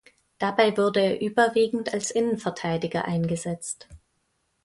Dabei wurde er überwiegend als Innenverteidiger eingesetzt.